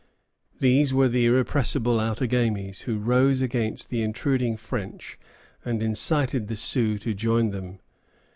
These were the irrepressible Outagamies, who rose against the intruding French and incited the Sioux to join them.